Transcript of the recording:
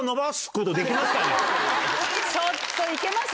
ちょっと行けます？